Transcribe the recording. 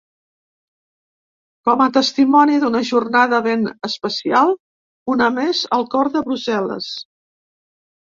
Com a testimoni d’una jornada ben especial, una més, al cor de Brussel·les.